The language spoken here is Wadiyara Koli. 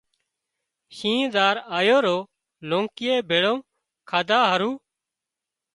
شينهن زار آيو رو لونڪي ڀيۯو کاڌا هارو